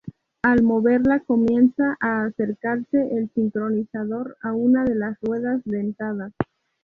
Al moverla comienza a acercarse el sincronizador a una de las ruedas dentadas.